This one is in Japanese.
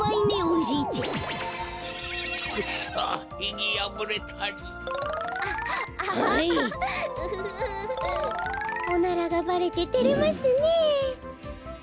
おならがばれててれますねえ。